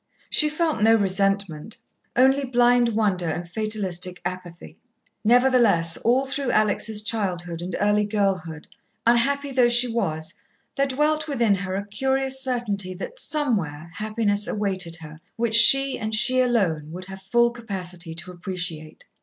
She felt no resentment, only blind wonder and fatalistic apathy. Nevertheless, all through Alex' childhood and early girlhood, unhappy though she was, there dwelt within her a curious certainty that, somewhere, happiness awaited her, which she, and she alone, would have full capacity to appreciate.